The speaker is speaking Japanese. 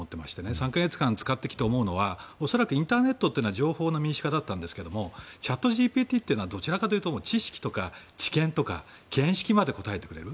３か月間使ってきて思うのは恐らく、インターネットは情報の民主化だったんですがチャットＧＰＴというのはどちらかというと知識とか知見とか見識まで答えてくれる。